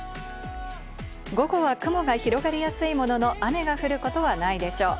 午後は雲が広がりやすいものの雨が降ることはないでしょう。